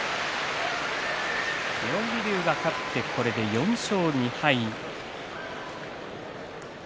妙義龍が勝って、これで４勝２敗。